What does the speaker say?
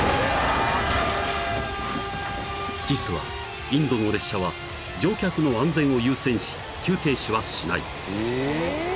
［実はインドの列車は乗客の安全を優先し急停止はしない］